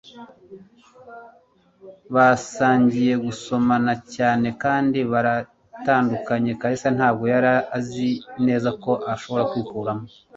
Basangiye gusomana cyane kandi baratandukanye, Kalisa ntabwo yari azi neza ko ashobora kwikuramo